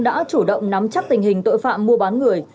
đã chủ động nắm chắc tình hình tội phạm mua bán người